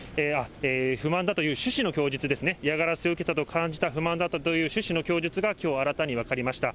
不満だという趣旨の供述ですね、嫌がらせを受けたと感じた、不満だったという趣旨の供述がきょう新たに分かりました。